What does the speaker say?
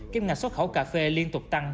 kiếm ngạch xuất khẩu cà phê liên tục tăng